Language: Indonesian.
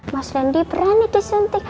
mas randy berani disuntik